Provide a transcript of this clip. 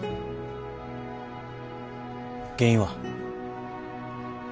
原因は？え？